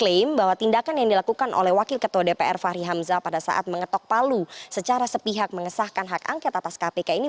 klaim bahwa tindakan yang dilakukan oleh wakil ketua dpr fahri hamzah pada saat mengetok palu secara sepihak mengesahkan hak angket atas kpk ini